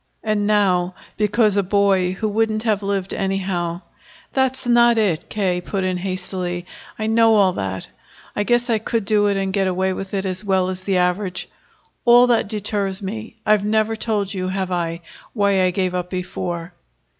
And now, because a boy who wouldn't have lived anyhow " "That's not it," K. put in hastily. "I know all that. I guess I could do it and get away with it as well as the average. All that deters me I've never told you, have I, why I gave up before?"